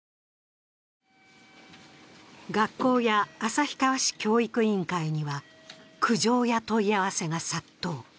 学校や旭川市教育委員会には苦情や問い合わせが殺到。